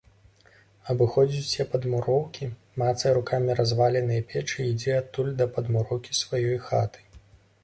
Абыходзіць усе падмуроўкі, мацае рукамі разваленыя печы і ідзе адтуль да падмуроўкі сваёй хаты.